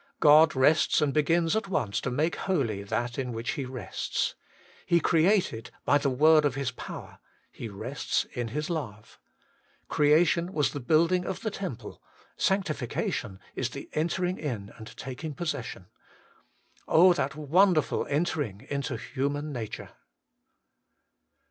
God rests and begins at once to make holy that in which He rests. He created by the word of His power ; He rests in His love. Creation was the building of the temple; sanctif cation is the entering In and taking pos session. Oh, that wonderful entering into human nature